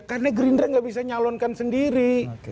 karena gerindra nggak bisa nyalonkan sendiri